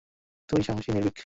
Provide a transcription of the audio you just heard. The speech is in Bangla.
তুই সাহসী, নির্ভীক।